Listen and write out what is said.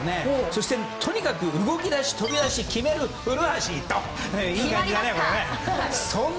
そして、とにかく動き出し飛び出し決める、フルハシといい感じだねこれ。